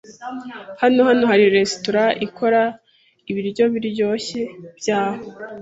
Hano hano hari resitora ikora ibiryo biryoshye byaho?